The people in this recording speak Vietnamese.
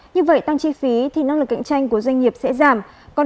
như vậy tăng chi phí thì năng lực cạnh tranh của doanh nghiệp sẽ giảm